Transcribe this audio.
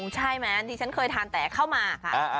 ใช่มั้ยอันที่ฉันเคยทานแต่เข้ามาค่ะ